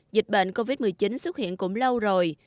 dịch bệnh covid một mươi chín xuất hiện cũng lâu rồi